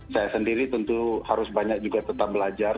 saya sendiri tentu harus banyak juga tetap belajar